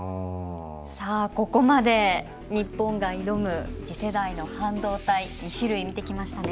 さあここまで日本が挑む次世代の半導体２種類見てきましたね。